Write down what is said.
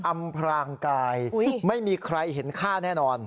อำพรางกายไม่มีใครเห็นค่าแน่นอน